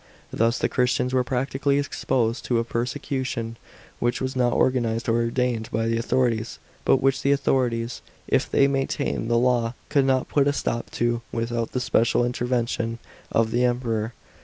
Thus the Chiistians were practically exposed to a persecution, which was not organized or ordained by the authorities, but which the authorities, if they maintained the law, could not put a stop to, without the special intervention of the Emperor.